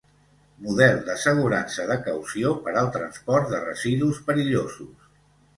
Model d'assegurança de caució per al transport de residus perillosos.